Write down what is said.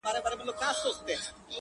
رستمان یې زور ته نه سوای ټینګېدلای!!